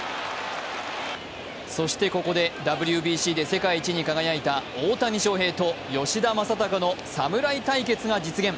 そしてここでＷＢＣで世界一に輝いた大谷翔平と吉田正尚の侍対決が実現。